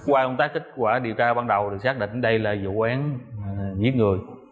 qua công tác kết quả điều tra ban đầu được xác định đây là vụ án giết người